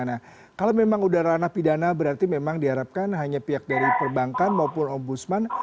nah kalau memang udah ranah pidana berarti memang diharapkan hanya pihak dari perbankan maupun ombudsman